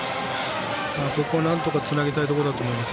ここをなんとかつなげたいところだと思います。